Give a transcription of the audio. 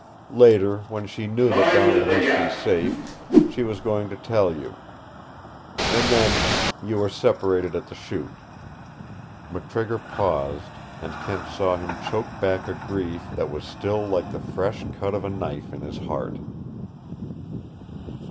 Later, when she knew that Donald must be safe, she was going to tell you. And then you were separated at the Chute." McTrigger paused, and Kent saw him choke back a grief that was still like the fresh cut of a knife in his heart.